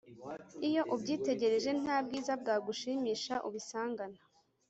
iyo ubyitegereje, nta bwiza bwagushimisha ubisangana